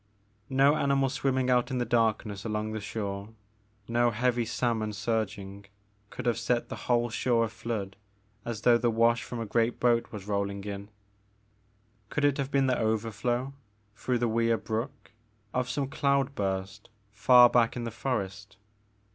No animal swimming out in the darkness along the shore, no heavy salmon surging, could have set the whole shore aflood as though the wash from a great boat were rolling in. Could it have been the overflow, through the Weir Brook, of some cloud burst fer back in the forest?